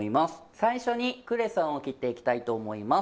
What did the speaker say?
最初にクレソンを切っていきたいと思います。